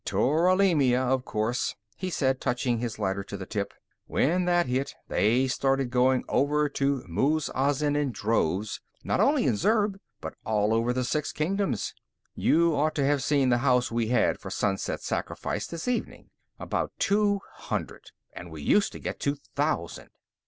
"Tularemia, of course," he said, touching his lighter to the tip. "When that hit, they started going over to Muz Azin in droves, not only at Zurb but all over the Six Kingdoms. You ought to have seen the house we had for Sunset Sacrifice, this evening! About two hundred, and we used to get two thousand.